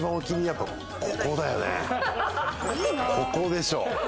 ここでしょ。